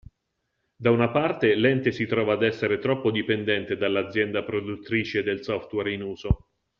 Da una parte l'ente si trova ad essere troppo dipendente dall'azienda produttrice del software in uso.